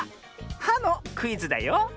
「は」のクイズだよ。